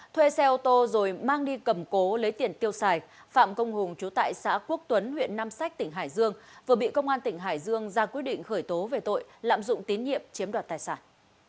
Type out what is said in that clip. thuê xe ô tô rồi mang đi cầm cố lấy tiền tiêu xài phạm công hùng chú tại xã quốc tuấn huyện nam sách tỉnh hải dương vừa bị công an tỉnh hải dương ra quyết định khởi tố về tội lạm dụng tín nhiệm chiếm đoạt tài sản